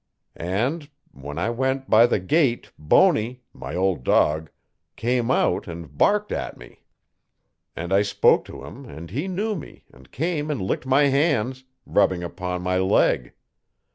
And when I went by the gate Bony my old dog came out and barked at me and I spoke to him and he knew me and came and licked my hands, rubbing upon my leg.